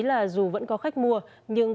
là dù vẫn có khách mua nhưng